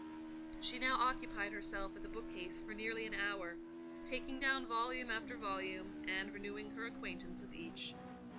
She now occupied herself at the bookcase for nearly an hour; taking down volume after volume, and renewing her acquaintance with each.